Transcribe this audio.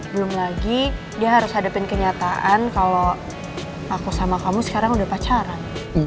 belum lagi dia harus hadapin kenyataan kalau aku sama kamu sekarang udah pacaran